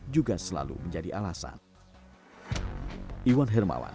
juga selalu menjadi alasan